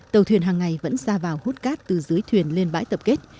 tàu thuyền hàng ngày vẫn ra vào hút cát từ dưới thuyền lên bãi tập kết